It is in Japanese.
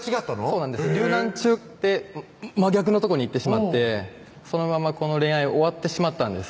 そうなんです竜南中って真逆のとこに行ってしまってそのままこの恋愛終わってしまったんです